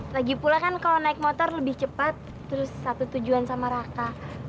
lagi pula kan kalau naik motor lebih cepat terus satu tujuan sama raka